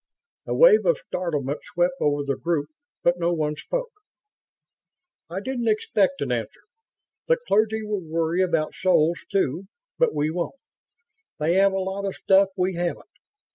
A wave of startlement swept over the group, but no one spoke. "I didn't expect an answer. The clergy will worry about souls, too, but we won't. They have a lot of stuff we haven't.